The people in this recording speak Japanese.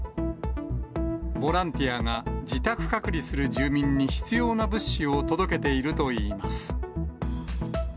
ボランティアが、自宅隔離する住民に必要な物資を届けているといいます。